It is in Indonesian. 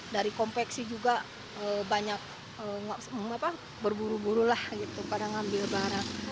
dari konveksi juga banyak berburu buru lah gitu pada ngambil barang